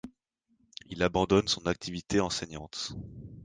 Il abandonne son activité enseignante.